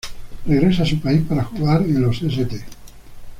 Regresa a su país para jugar en los St.